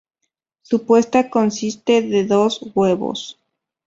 Su puesta consiste de dos huevos.